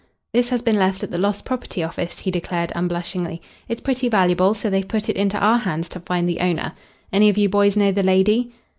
"This has been left at the Lost Property Office," he declared unblushingly. "It's pretty valuable, so they've put it into our hands to find the owner. Any of you boys know the lady?"